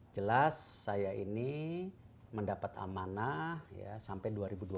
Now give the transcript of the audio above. jelas saya ini mendapat amanah sampai dua ribu dua puluh empat